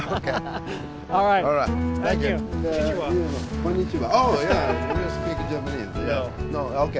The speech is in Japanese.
こんにちは。